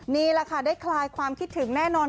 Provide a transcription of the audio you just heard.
นี่แหละค่ะได้คลายความคิดถึงแน่นอน